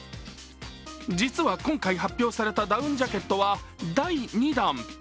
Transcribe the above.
実は今回発表されたダウンジャケットは第２弾。